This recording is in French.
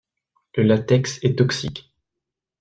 Le latex est toxique.